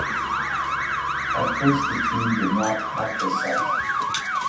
At first the team did not act as such.